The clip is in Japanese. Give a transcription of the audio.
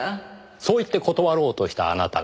そう言って断ろうとしたあなたが。